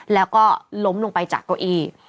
แล้วก็ล้มลงไปจากเก้าอี้